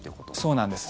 そうなんです。